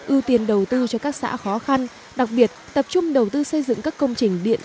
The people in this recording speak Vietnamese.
ưu tiên đầu tư cho các xã khó khăn đặc biệt tập trung đầu tư xây dựng các công trình điện